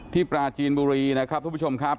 ปราจีนบุรีนะครับทุกผู้ชมครับ